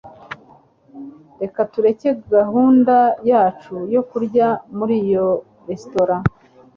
Reka tureke gahunda yacu yo kurya muri iyo resitora